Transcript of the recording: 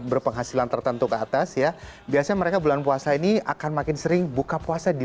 berpenghasilan tertentu ke atas ya biasanya mereka bulan puasa ini akan makin sering buka puasa di